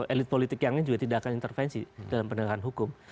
elit politik yang lain juga tidak akan intervensi dalam penegakan hukum